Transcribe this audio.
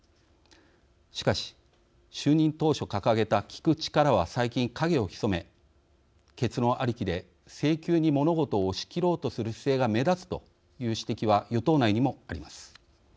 しかし、就任当初掲げた「聞く力」は最近影を潜め結論ありきで性急に物事を押し切ろうとする姿勢が目立つという指摘は与党内にもあります。